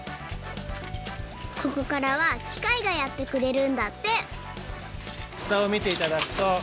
ここからはきかいがやってくれるんだってしたをみていただくと。